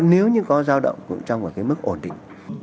nếu như có giao động trong mức ổn định